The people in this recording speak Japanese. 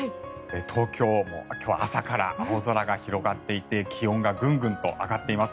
東京、今日は朝から青空が広がっていて気温がグングンと上がっています。